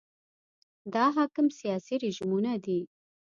دا حاکم سیاسي رژیمونه دي.